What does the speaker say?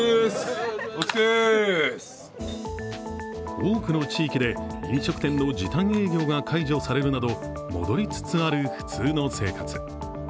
多くの地域で飲食店の時短営業が解除されるなど戻りつつある普通の生活。